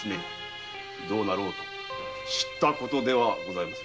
どうなろうと知ったことではございませぬ！